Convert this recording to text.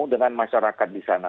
dengan masyarakat di sana